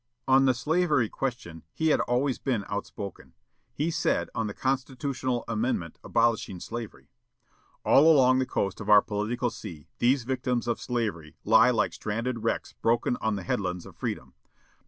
On the slavery question he had always been outspoken. He said, on the constitutional amendment abolishing slavery: "All along the coast of our political sea these victims of slavery lie like stranded wrecks broken on the headlands of freedom.